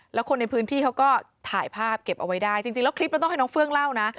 แล้วคนในพื้นที่เขาก็ถ่ายภาพเก็บเอาไว้ได้จริงแล้วคลิปมันต้องให้น้องเฟื่องเล่านะ